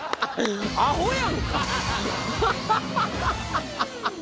アホやんか！